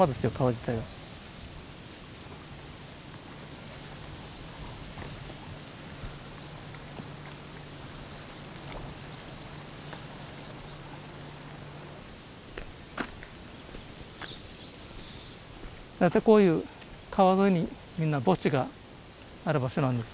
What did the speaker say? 大体こういう川沿いにみんな墓地がある場所なんですよね。